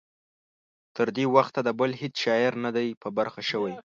تر دې وخته د بل هیڅ شاعر نه دی په برخه شوی.